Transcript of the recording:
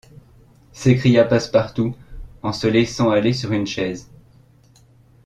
s’écria Passepartout, en se laissant aller sur une chaise.